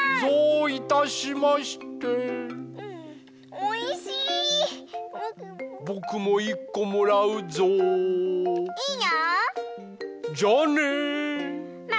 おいしいな。